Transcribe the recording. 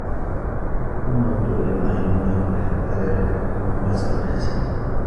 ثم ردوا إلى الله مولاهم الحق ألا له الحكم وهو أسرع الحاسبين